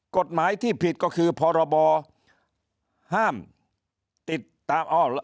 กฎหมายที่ผิดก็คือพรบห้ามติดตามอ้อ